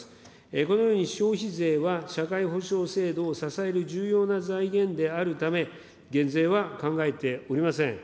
このように消費税は、社会保障制度を支える重要な財源であるため、減税は考えておりません。